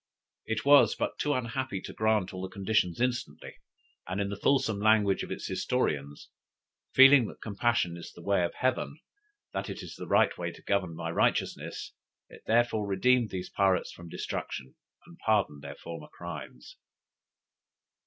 It was but too happy to grant all the conditions instantly, and, in the fulsome language of its historians, "feeling that compassion is the way of heaven that it is the right way to govern by righteousness it therefore redeemed these pirates from destruction, and pardoned their former crimes."